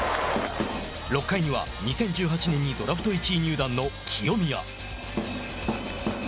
６回には２０１８年にドラフト１位入団の清宮。